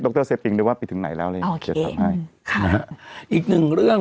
ร็อคเตอร์เซปปิงได้ว่าไปถึงไหนแล้วเลยโอเคจะตามให้ค่ะอีกหนึ่งเรื่อง